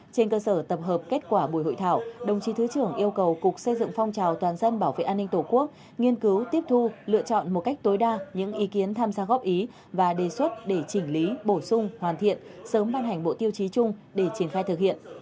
trên cơ sở tập hợp kết quả buổi hội thảo đồng chí thứ trưởng yêu cầu cục xây dựng phong trào toàn dân bảo vệ an ninh tổ quốc nghiên cứu tiếp thu lựa chọn một cách tối đa những ý kiến tham gia góp ý và đề xuất để chỉnh lý bổ sung hoàn thiện sớm ban hành bộ tiêu chí chung để triển khai thực hiện